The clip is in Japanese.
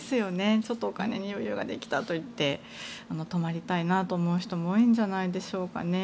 ちょっとお金に余裕ができたといって泊まりたいと思う人も多いんじゃないでしょうかね。